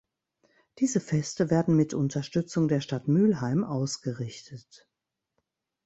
Diese Feste werden mit Unterstützung der Stadt Mülheim ausgerichtet.